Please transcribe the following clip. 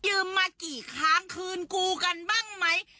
มากี่ครั้งคืนกูกันบ้างไหม